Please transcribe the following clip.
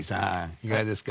いかがですか？